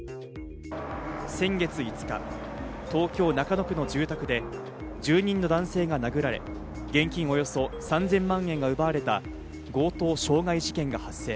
先月５日、東京・中野区の住宅で、住人の男性が殴られ、現金およそ３０００万円が奪われた強盗傷害事件が発生。